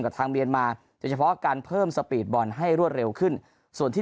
ทางเมียนมาโดยเฉพาะการเพิ่มสปีดบอลให้รวดเร็วขึ้นส่วนที่